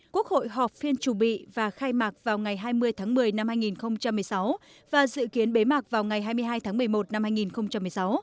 quốc hội họp phiên chủ bị và khai mạc vào ngày hai mươi tháng một mươi năm hai nghìn một mươi sáu và dự kiến bế mạc vào ngày hai mươi hai tháng một mươi một năm hai nghìn một mươi sáu